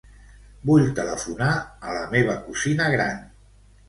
Vull telefonar a la meva cosina gran.